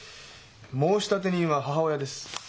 申立人は母親です。